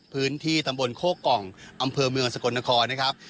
พื้นที่ตำบลโคกองอำเภอเมืองสกลนครนะครับ